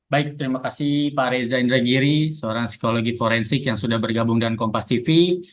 baik terima kasih pak reza indragiri seorang psikologi forensik yang sudah bergabung dengan kompas tv